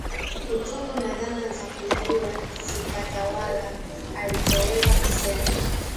uchungu na dhana za kuibiwa zikatawala alichoweza kusema